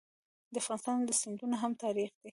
د افغانستان سیندونه هم تاریخي دي.